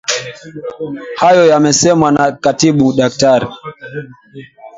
Hayo yamesemwa na Katibu Daktari